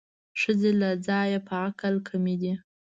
ښځې له ځایه په عقل کمې دي